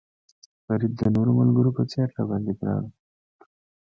فرید د نورو ملګرو په څېر را باندې ګران و.